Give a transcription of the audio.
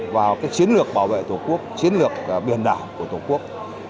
vào chiến lược bảo vệ tổ quốc chiến lược biển đảo của tổ quốc